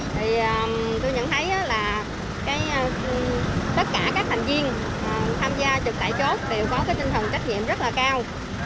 thì tôi nhận thấy là tất cả các thành viên tham gia trực tại chốt đều có cái tinh thần trách nhiệm rất là cao